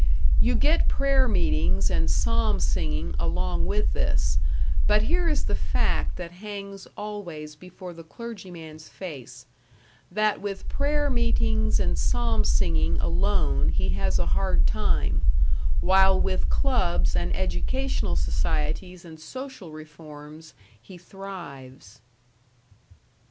You get prayer meetings and psalm singing along with this; but here is the fact that hangs always before the clergyman's face that with prayer meetings and psalm singing alone he has a hard time, while with clubs and educational societies and social reforms he thrives.